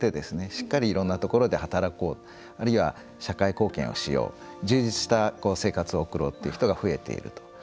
しっかりいろんなところで働こうあるいは社会貢献をしよう充実した生活を送ろうっていう人が増えていると。